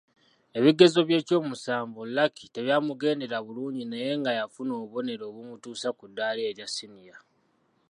Ebigezo by’ekyomusanvu Lucky tebyamugendera bulungi naye nga yafuna obubonero obumutuusa ku ddaala erya ssiniya.